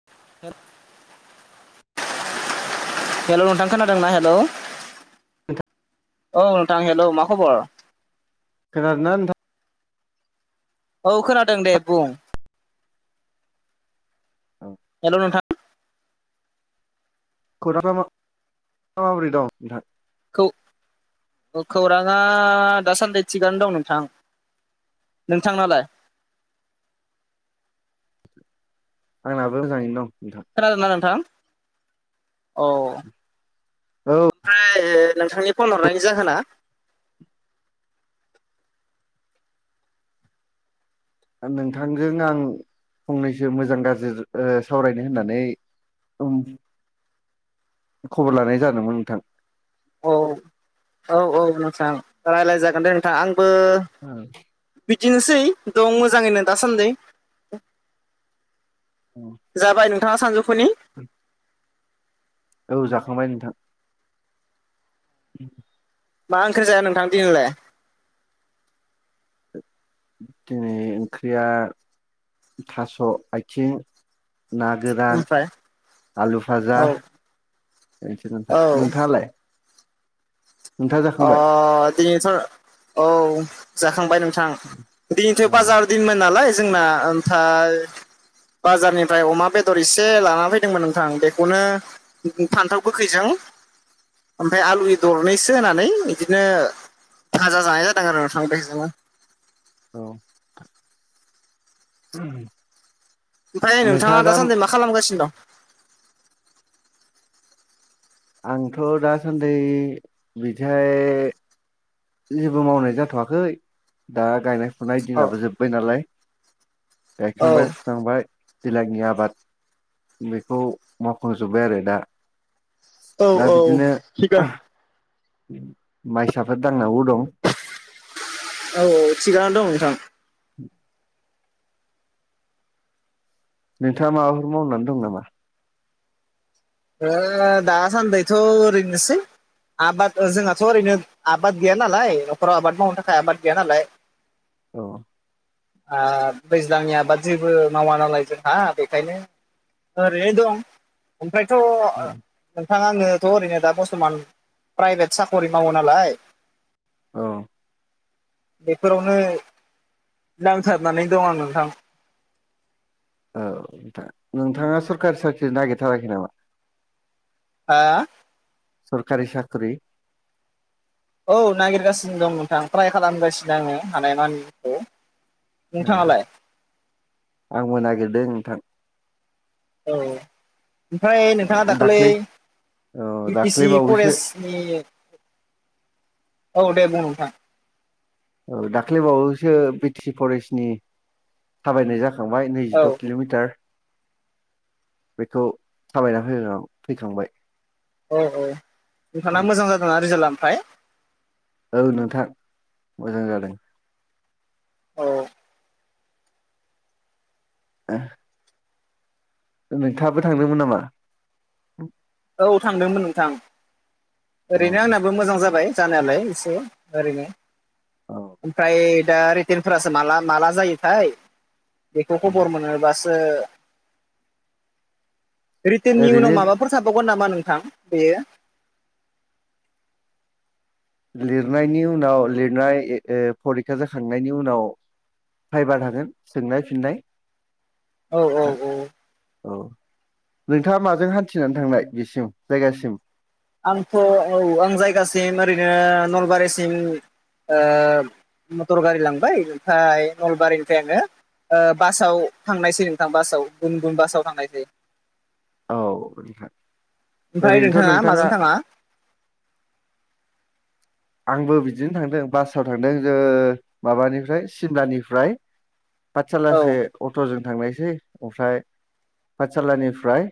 [inaudible] हेल' नोंथां खोनादोंना हेलौ। नोंथां औ नोंथां हेलौ मा खबर? खोनादोंना नोंथां? औ खोनादों दे बुं। नोंथां हेल' नोंथां। खौरांआ मा-माबोरै दं नोंथां? खौ-खौराङा दा सानदि थिगानो दं नोंथां। नोंथांनालाय? आंनाबो मोजाङैनो दं नोंथां। खोनादोंना नोंथां औ। औ ओमफ्राय नोंथांनि फन हरनायनि जाहोना? नोंथांजों आं फंनैसो मोजां गाज्रि ओ सावरायनो होननानै [unintelligible] खबर लानाय जादोंमोन नोंथां। औ-औ-औ नोंथां रायलायजागोन दे नोंथां आंबो ओ बिदिनोसै दं मोजाङैनो दासान्दै। [inaudible] जाबाय नोंथाङा सानजौफुनि? [inaudible] औ जाखांबाय नोंथां। [inaudible] मा ओंख्रि जाया नोंथां दिनैलाय? दिनै ओंख्रिया थास' आयथिं ना गोरान ओमफ्राय आलु फाजा औ बेनोसै नोंथां। औ नोंथाङालाय? नोंथाङा अ जाखांबाय दिनैथ' औ जाखांबाय नों थां दिनैथ' बाजार दिनमोन नालाय जोंना ओमफाय बाजारनिफ्राय अमा बेदर एसे लानानानै फैदोंमोन नोंथां बेखौनो [unintelligible] फान्थाव गोखैजों ओमफाय आलु दरनैस ओ होनानै बिदिनो भाजा जानाय जादों आरो थांबाय [unintelligible] औ उ [inaudible] ओमफ्राय नोंथाङा दासान्दि मा खालामगासिनो दं? आंथ' दासान्दि बिहाय जेबो मावनाय जाथ'वाखै दा गायनाय -फुनाय औ दिनाबो जोब्बाय नालाय औ दखं बाय थांबाय दैलाांनि आबाद बेखौ मावफुंजोब्बाय आरो दा औ दा औ बिदिनो थिगा माइसाफोर दांनांगौ दं। औ औ थिगानो दं नोंथां। [inaudible] नोंथाङा माबाफोर मावनानै दं नामा? ओ दासान्दिथ ओरैनोसै आबाद जोंहाथ' ओरैनो आबाद गैया नालाय न'खराव आबाद मावनो थाखाय आबाद गैया नालाय [inaudible] औ दैज्लांनि आबाद जेबो मावा नालाय जोंहा बेखायनो ओरैनो दं। बेमथ' [inaudible] नोंथाङा आंनोथ' ओरैनो दा बरथ'मान प्राइभेट साख'रि मावो नालाय औ बेफोरावनो नांथारनानै दं आं नोंथां औ नोंथां नोंथाङा सरकारि साख्रि नागिरथाराखै नामा? हा सरकारि साख्रि औ नागिरगासिनो दं नोंथां ट्राय खालामगासिनो आङो हानाय मानिखौ ए आंबो नागिरदों नोंथां औ ओमफ्राय नोंथाङा दाखालै दाख्लै औ इउटि दाख्लै सि बावैसो फरेस्ट ए औ दे बुं नोंथां औ दाख्लैबावोैसो बि टि सि फरेस्नि थाबायनाय जाखो थांबाय नै जि औ द' किल'मिटार बेखौ थाबायना होन फैखांबाय। औ औ नोंथाङा मोजां जादोंना रिजाल्टआ ओमफ्राय औ नोंथां मोजां जादों। औ ओ नोंथाङाबो थांदोंमोन नामा? औ थांदोंमोन नोंथां ओरैनो अ आंनाबो मोजां जाबाय। जानायालाय एसे ओरैनो औ ओमफ्राय दा रिटनफोरासो माला माला जायोथाय बेखौ खबर मोनोबासो ओ रिटेन ओरैनो उनाव माबाफोर जाबावगोन नामा नोंथां बेयो लिरनायनि उनाव लिरनाय फरिखा जाखांनायनि उनाव फाइबा थागोन सोंनाय -फिननाय औ औ औ औ नोंथाङा माजों हान्थिनानै थांनाय बेसिम जायगासिम आंथ' औ आं जायगासिम ओरैनो नलबारिसिम मटर गारि लांबाय ओमफ्राय नलबारिनिफ्राय आङो बासाव थांनायसै नोंथां बासाव गुन गुन बासाव थांनायसै। औ नोंथां ओमफ्राय ओरैनोथ' माजों नोंथाङा थाङा आंबो बिदिनो थांदों बासाव थांदों जों माबानिफ्राय सिमलानिफ्राय औ पाठसालासे अट'जों थांनायसै ओमफ्राय पाठसालानिफ्राय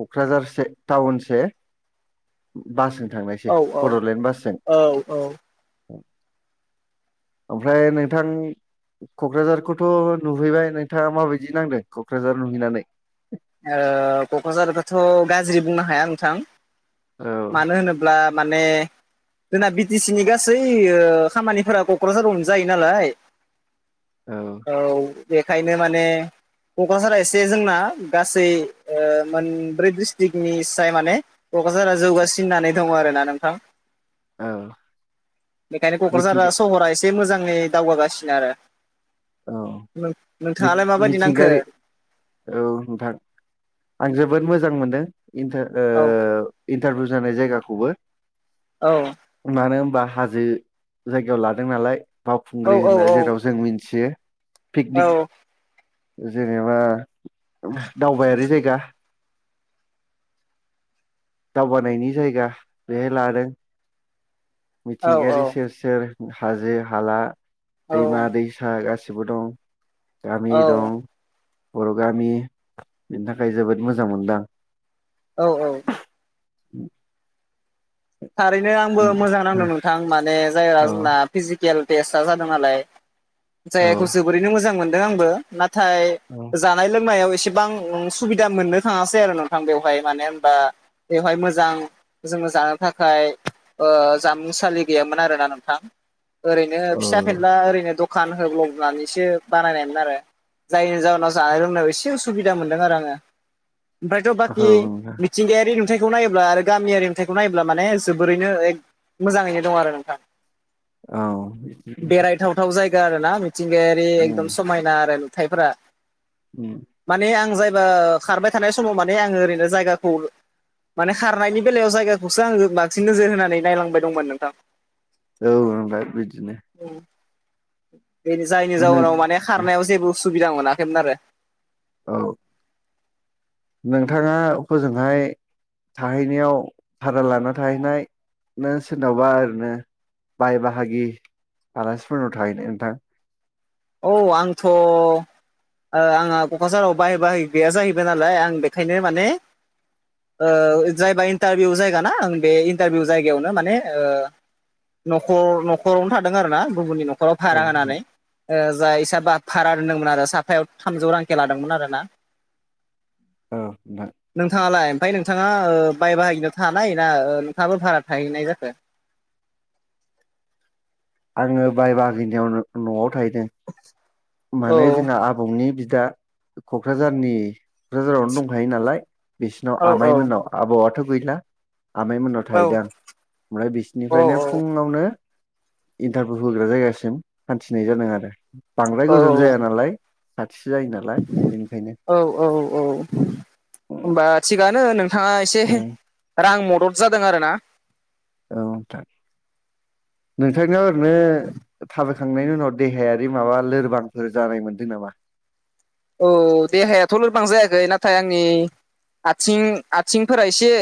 क'क्राझारसे टाउनसे बासजों थांनायसै औ बड'लेण्ड बासजों। औ औ [inaudible] ओमफ्राय नोंथां क'क्राझारखौथ' नुहैबाय नोंथाङा माबायदि नांदों क'क्राझार नुहैनानै? क'क्राझारखौथ' गाज्रि बुंनो हाया नोंथां। औ मानो होनोब्ला माने जोंना बि टि सि नि गासै खामानिफोरा क'क्राझारावनो जायो नालाय औ औ बेखायनो माने क'क्राझारा एसे जोंना गासै मोनब्रै डिस्ट्रिकनि साय माने क'क्राझारा जौगासिन होननानै दङ आरो ना नोंथां। औ बेखायनो क'क्राझारा मिथिंगा सहरा एसे एसे मोजाङै दावगागासिनो आरो औ नोंथाङालाय माबायदि नांखो? मिथिंगायारि औ नोंथां आं जोबोद मोजां मोनदों। औ इन्टारभिउ जानाय जायगाखौबो औ मानो होनबा हाजो जायगायाव लादों नालाय औ बावखुंग्रि औ होनना जेराव जों मिथियो। औ पिकनिक जेनेबा दावबायारि जायगा [inaudible] दावगानायनि जायगा बेहाय लादों। औ मिथिंगायारि सेर सेर हाजो हाला दैमा औ दैसा गासैबो गासिबो दं गामि दं। औ बर' गामि बेनि थाखाय जोबोद मोजां मोनदों आं। औ औ थारैनो आंबो मोजां नांदों नोंथां माने जायगा औ जोंना फिजिकेल टेस्टआ जादों नालाय औ जायखौ जोबोरैनो मोजां मोनदों आंबो नाथाय औ जानाय लोंनायाव एसेबां सुबिदा मोननो थाङासै आरो नोंथां बेवहाय मानो होनबा बेवहाय मोजां जोङो जा थाखाय जामुंसालि गैयामोन आरोना नोंथां। ओरैनो औ फिसा फेनला ओरैनो दखान होब्लबनानैसो बानायनायमोन आरो। जायनि जाहोनाव जानाय लोंनायाव एसे असुबिदा मोनदों आरो आङो। ओमफ्रायथ' औ बाखि मिथिंगायारि नुथायखौ नायोब्ला आरो गामियारि नुथायखौ नायोब्ला। माने जोबोरैनो एक मोजाङैनो दं आरो नोंथां। औ गोथौ जायगा आरोना मिथिंगायारि एकदम समायना आरो नुथाइफोरा ओम। माने आं जायबा खारबाय थानाय समाव माने आङो ओरैनो जायगाखौ माने खारनायनि बेलायाव जायगाखौसो आङो बांसिन नोजोर होनानै नायलांबाय दंमोन नोंथां। औ ओमफ्राय बिदिनो बे जायनि जाउनाव माने खारनायाव जेबो असुबिदा मोनाखैमोन आरो। औ नोंथाङा हजोंहाय थाहैनायाव भारा लाना थाहैनायनो सोरनावबा ओरैनो बाय बाहागि आलासिफोरनाव थाहैनाय नोंथां। औ आंथ' आंहा क'क्राझाराव बाहाय बाहाय गैया जाहैबाय नालाय आं बेखायनो माने जायबा इन्टारभिउ जायगा ना आं बे इन्टारभिउ जायगायावनो माने नखर न'खरावनो थादों आरोना गुबुननि न'खराव औ भारा नोंथां होनानै जाय इसाबा भारा दोनदोंमोन आरो साफायाव थामजौ रांखौ लादोंमोन आरो ना औ नोंथां। नोंथाङालाय ओमफ्राय नोंथाङा बाय बाहागिनाव थानाय ना नोंथाङाबो भारा थाहैनाय जाखो। आङो बाय बाहागिनियाव न'आव थाहैदों औ माने जोंहा आबौनि बिदा क'क्राझारनि क'क्राझारावनो दंखायो नालाय बिसिनाव औ आमाइमोननाव आबौआथ' गैला आमायमोननाव औ थाहैदों आं ओमफ्राय औ बिसोरनिफ्रायनो फुङावनो इन्टारभिउ होग्रा जायगासिम हान्थिनाय जादों आरो बांद्राय गोजान जाया औ नालाय खाथिसो जायो नालाय बेनिखायनो औ-औ-औ उम होनबा थिगानो नोंथाङा एसे औ आरो आं मदद जादों आरोना औ नोंथां। नोंथांनियाव ओरैनो थाबायखांनायनि उनाव देहायारि माबा लोरबांफोर जानाय मोन्दों नामा? औ देहायाथ' लोरबां जायाखै नाथाय आंनि आथिं आथिंफोरा एसे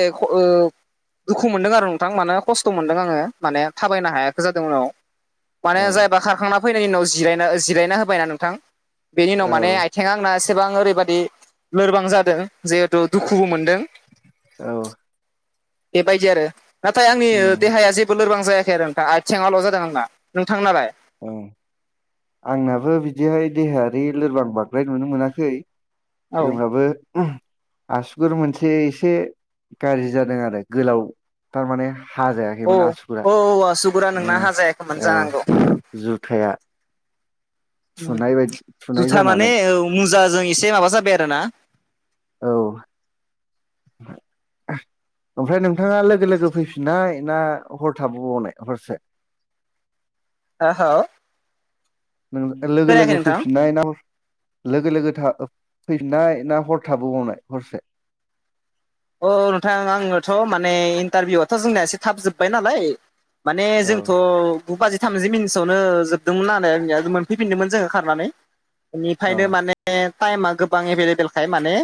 दुखु मोनदों आरो नोंथां मानो खस्थ' मोनदों आङो माने थाबायनो हायाखै जादों उनाव माने औ जायबा खारखांना फैनायनि उनाव जिरायना जिरायना होबायना नोंथां बेनि उनाव औ माने आथिङा आंना एसेबां ओरैबायदि लोरबां जादों जिहेथु दुखुबो मोनदों। औ बेबायदि आरो नाथाय आंनि उम देहाया जेबो लोरबां जायाखै आरो नोंथाङा आथिङाल' जादों आंना नोंथां नालाय अह आंनाबो बिदिहाय देहायारि लोरबां बांद्राय नुनो मोनाखै औ होनबाबो आसुगुर मोनसे एसे गाज्रि जादों आरो गोलाव थारमाने औ हाजायाखैमोन आसुगुरा औ आसुगुरा नोंना हाजायाखैमोन जानांगौ जुथाया थुनाय बायदि थुनाय जुथा माने जानानै मुजाजों एसे माबा जाबाय आरोना औ ओमफ्राय नोंथाङा लोगो लोगो फैफिननाय ना हर थाबोबावनाय हरसे आ ह [unintelligible] लोगो लोगो नोंथां फैफिननाय ना लोगो लोगो था फैनाय ना हर थाबोबावनाय हरसे। औ नोंथां आंनोथ' माने इन्टारभिउ आथ' जोंनिया एसे थाब जोब्बाय नालाय माने औ जोंथ' गु बाजि थामजि मिनिटसोआवनो जोबदोंमोननानैंनिया मोनफैफिनदोंमोन जोङो खारनानै औ बेनिफ्रायनो माने टाइमा गोबां एभेलेबेलखाय माने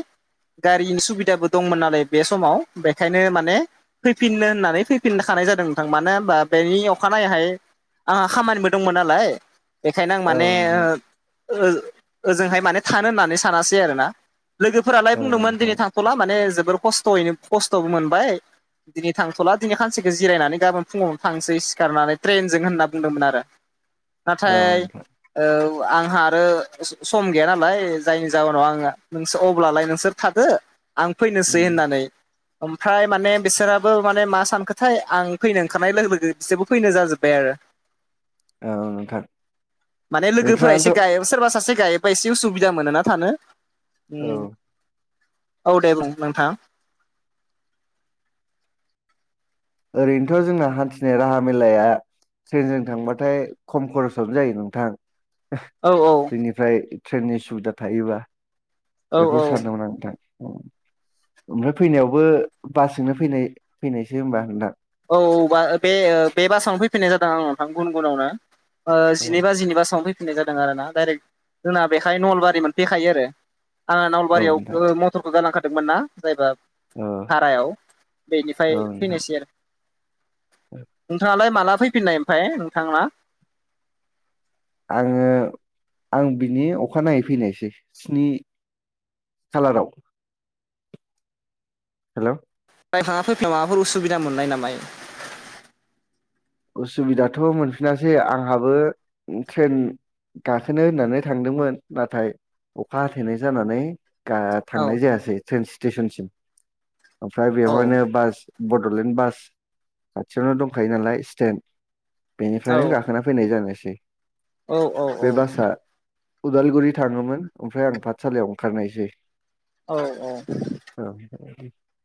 गारिनि सुबिदाबो दंमोन नालाय बे समाव बेखायनो माने फैफिननो होननानै फैफिनखानाय जादों नोंथां मानो होमबा बेनि अखानायाहाय आंहा खामानिबो दंमोन नालाय बेखायनो आं औ माने नोंथां ओ ओजोंहाय माने थानो होननानै सानासै आरोना लोगोफोरालाय औ बुंदोंमोन दिनै नोंथां थां थ'ला माने जोबोर खस्थ'यैनो खस्थ'बो मोनबाय दिनै थांथ'ला दिनै सानसेखौ जिरायनानै गाबोन फुङाव थांसै सिखारनानै ट्रेनजों होनना बुंदोंमोन आरो औ नाथाय नोंथां औ आंहा आरो सम गैया नालाय जायनि जाहोनाव आङो नोंस अब्लालाय नोंसोर थादो आं फैनोसै उम, होननानै ओमफ्राय माने बिसोराबो माने मा सानखोथाय आं फैनो ओंखारनाय लोगो लोगो बिसोरबो फैनो जाजोब्बाय आरो औ नोंथां माने लोगोफोरा नोंथाङाथ' एसे गाय सोरबा सासे गायोबा एसे उसुबिदा मोनोना थानो उम औ औ दे बुं नोंथां। ओरैनोथ जोंना हान्थिनाय राहा मेलाया। ट्रेनजों थांबाथाय खम खरसावनो जायो नोंथां। औ औ बेनिफ्राय ट्रेननि सुबिदा थायोबा औ बेखौ सानदोंमोन आं नोंथां। ओम ओमफ्राय फैनायावबो बासजोंनो फैनाय फैनायसो होनबा नोंथां। औ औ बे बे बासावनो फैफिननाय जादों आं नोंथां गुन गुनावनो। ओ औ जिनै बाजिनि बासावनो फैफिननाय जादों आरो ना डाइरेक्ट जोंना बेहाय नलबारि मोनफैखायो आरो। आंहा औ नोंथां नलबारियाव मथरखौ गारलांखादोंमोन ना जायबा। औ भारायाव बेनिफ्राय औ नोंथां फैनोसै आरो नोंथाङालाय माला फैफिननाय ओमफफ्राय नोंथांना। आङो आं बिनि अखा नयै फैनायसै स्नि खालाराव हेल फाङा फैलाव माबाफोर उसुबिदा मोननाय नामा याव उसुबिदाथ मोनफिनासै आंहाबो ट्रेन गाखोनो होननानै थांदोंमोन नाथाय अखा हाथेनाय जानानै। गा औ थांनाय जायासै ट्रेन स्टेसनसिम ओमफ्राय औ बेवहायनो बास। बडलेण्ड बास खाथियावनो दंखायो नालाय स्टेन्ड औ बेनिफ्रायनो गाखोना फैनाय जानोसै। औ औ बे बासआ उदालगुरि थाङोमोन ओमफ्राय आं पाठसालयाव ओंखारनायसै। औ औ औ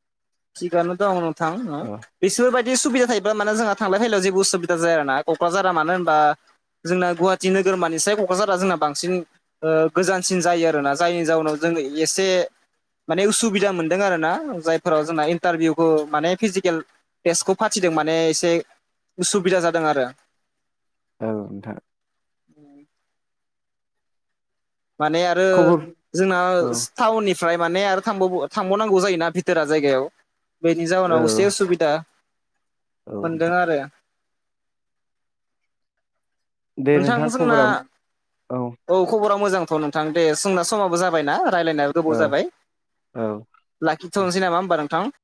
थिगानो दां नोंथां औ अ- बिसोरबायदि सुबिदा थायोब्ला माने जोंहा थांलाय फैलायाव जेबो उसुबिद जायाना कक्राझारा मानो होनबा। जोंना गुवाहाटि नोगोरमानानिसाय कक्राझारा जोंना बांसिन। ओ-गोजानसिन जायो आरोना जायनि जाउनाव जोंङ एसे माने उसुबिदा मोन्दों आरो ना जाय। फोराव जोंना इन्टारभिउखो माने फिजिकेल टेस्टखौ फाथिदों माने एसे उसुबिदा जादों आरो। औ नोंथां [inaudible] माने आरो खबर जोंना औ टाउननिफ्राय माने आरो थांबाव थांबावनांगौ जायोना भिथोरा जायगायाव। बेनि औ जाउनाव असे उसुबिदा औ मोनदों नोंथां आरो। दे नोंथां जोंना खबरा औ खबरा मोजांथ नोंथां दे सोंना समाबो जाबायनाा राय्लायनायो औ गोबाव जाबाय। औ लाखिथनोसै नामा होनबा नोंथां।